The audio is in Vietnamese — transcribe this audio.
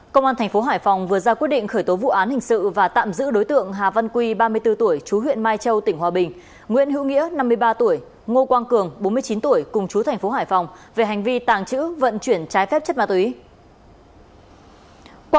công an tp hải phòng vừa ra quyết định khởi tố vụ án hình sự và tạm giữ đối tượng hà văn quy ba mươi bốn tuổi chú huyện mai châu tỉnh hòa bình nguyễn hữu nghĩa năm mươi ba tuổi ngô quang cường bốn mươi chín tuổi cùng chú thành phố hải phòng về hành vi tàng trữ vận chuyển trái phép chất ma túy